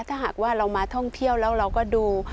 ถ้าหากว่าเรามาท่องเที่ยวแล้วเราก็ดู